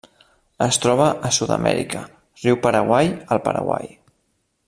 Es troba a Sud-amèrica: riu Paraguai al Paraguai.